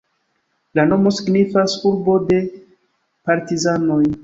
La nomo signifas "urbo de partizanoj".